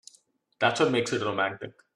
That's what makes it romantic.